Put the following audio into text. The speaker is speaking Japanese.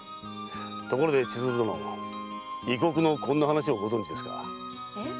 ところで千鶴殿異国のこんな話はご存じですか？